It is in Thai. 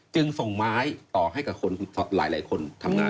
จึงส่งไม้ต่อให้กับคนหลายคนทำงาน